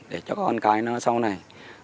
để cho con cái nó sau này